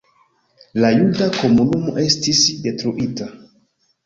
La juda komunumo estis detruita.